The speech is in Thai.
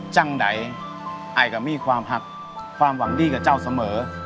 จังใดไอก็มีความหักความหวังดีกับเจ้าเสมอ